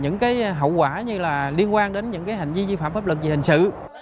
những cái hậu quả như là liên quan đến những hành vi vi phạm pháp luật về hình sự